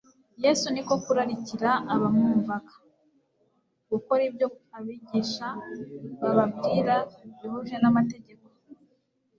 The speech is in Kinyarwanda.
Yesu niko kurarikira abamwumvaga, gukora ibyo abigisha bababwira bihuje n'amategeko,